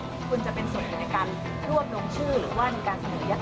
คุณจะเป็นส่วนในการร่วมรวมชื่อ